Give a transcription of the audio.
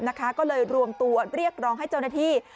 ก็เลยรวมตัวเรียกร้องให้เจ้าหน้าที่